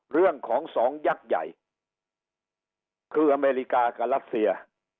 เรื่องของสองยักษ์ใหญ่คืออเมริกากับรัสเซีย